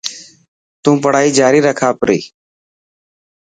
تون پڙهائي جاري رک آپري.